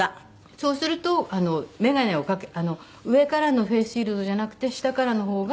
そうすると眼鏡を上からのフェースシールドじゃなくて下からの方が。